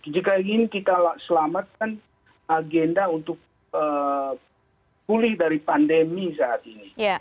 jika ingin kita selamatkan agenda untuk pulih dari pandemi saat ini